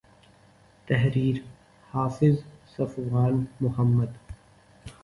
تحریر :حافظ صفوان محمد